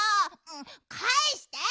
かえして！